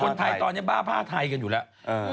คนไทยตอนนี้บ้าผ้าไทยกันอยู่แล้ว